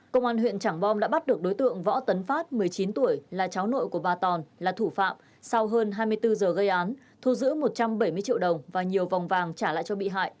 công an huyện trảng bom đã bắt được đối tượng võ tấn phát một mươi chín tuổi là cháu nội của bà tòn là thủ phạm sau hơn hai mươi bốn giờ gây án thu giữ một trăm bảy mươi triệu đồng và nhiều vòng vàng trả lại cho bị hại